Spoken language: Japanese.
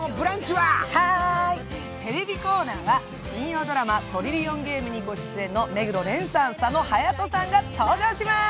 はーい、テレビコーナーは金曜ドラマ「トリリオンゲーム」ご出演の目黒蓮さん、佐野勇斗さんが登場します！